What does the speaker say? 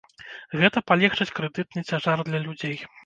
Гэта палегчыць крэдытны цяжар для людзей.